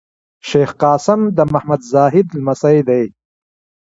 شېخ قاسم د محمد زاهد لمسی دﺉ.